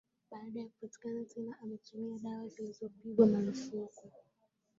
Baada ya kupatikana tena ametumia dawa zilizopigwa marufuku